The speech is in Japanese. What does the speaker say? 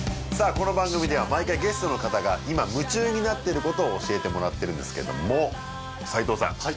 この番組では毎回ゲストの方が今夢中になってることを教えてもらってるんですけども斎藤さん